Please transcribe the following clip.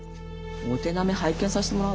お手並み拝見さしてもらうわ。